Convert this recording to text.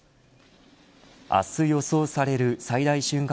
明日予想される最大瞬間